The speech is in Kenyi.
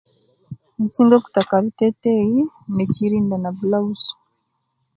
Nsinga okutaka biteteyi nekirinda nabulauzi